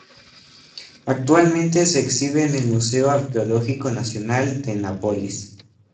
Actualmente se exhibe en el Museo Arqueológico Nacional de Nápoles.